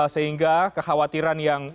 sehingga kekhawatiran yang